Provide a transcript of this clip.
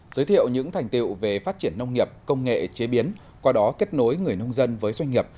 giới thiệu những thành tiệu về phát triển nông nghiệp công nghệ chế biến qua đó kết nối người nông dân với doanh nghiệp